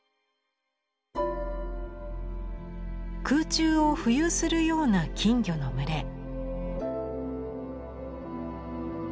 空中を浮遊するような金魚の群れ。